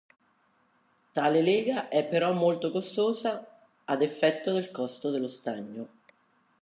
Tale lega è però molto costosa, ad effetto del costo dello stagno.